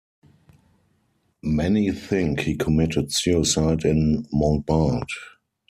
Many think he committed suicide in Montbard.